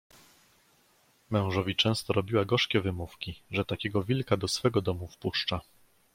"Mężowi często robiła gorzkie wymówki, że takiego wilka do swego domu wpuszcza."